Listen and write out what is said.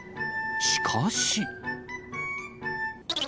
しかし。